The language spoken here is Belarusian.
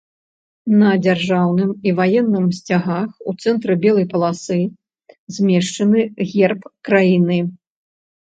На дзяржаўным і ваенным сцягах у цэнтры белай паласы змешчаны герб краіны.